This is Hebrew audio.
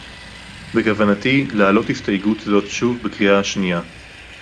בכוונתי להעלות הסתייגות זאת שוב בקריאה השנייה